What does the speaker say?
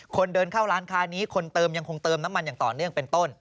คนเดินเข้าร้านค้านี้คนเติมยังคงเติมน้ำมันอย่างต่อเนื่องเป็นต้น